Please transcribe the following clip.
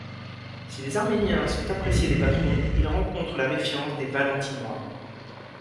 Si les Arméniens sont appréciés des patrons, ils rencontrent la méfiance des Valentinois.